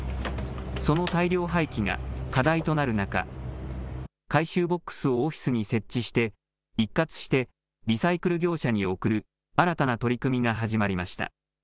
その大量廃棄が課題となる中、回収ボックスをオフィスに設置して一括してリサイクル業者に送る新たな取り組みが始まりました。